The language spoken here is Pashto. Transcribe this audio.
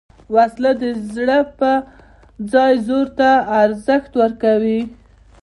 وسله د زړه پر ځای زور ته ارزښت ورکوي